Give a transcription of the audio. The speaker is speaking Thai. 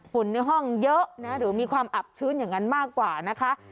ในห้องเยอะนะหรือมีความอับชื้นอย่างนั้นมากกว่านะคะ